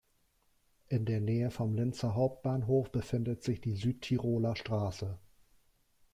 In der Nähe vom Linzer Hauptbahnhof befindet sich die Südtiroler Straße.